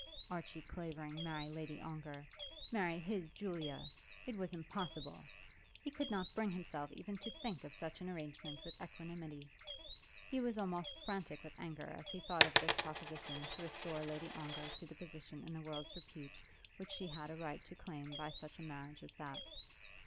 Archie Clavering marry Lady Ongar, marry his Julia! It was impossible. He could not bring himself even to think of such an arrangement with equanimity. He was almost frantic with anger as he thought of this proposition to restore Lady Ongar to the position in the world's repute which she had a right to claim, by such a marriage as that.